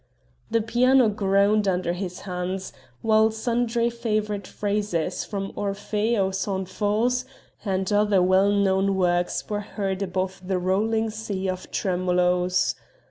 The piano groaned under his hands, while sundry favorite phrases from Orphée aux Enfers and other well known works were heard above the rolling sea of tremolos.